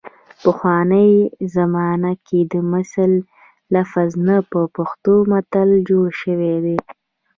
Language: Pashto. پخوانۍ زمانه کې د مثل لفظ نه په پښتو کې متل جوړ شوی دی